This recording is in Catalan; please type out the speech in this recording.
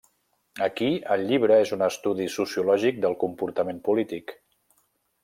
Aquí el llibre és un estudi sociològic del comportament polític.